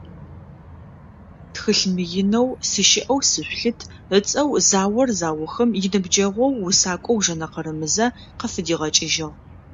Тхылъ мыинэу «Сыщыӏэу сышъулъыт» ыцӏэу заор заухым иныбджэгъоу усакӏоу Жэнэ Къырымызэ къыфыдигъэкӏыжьыгъ.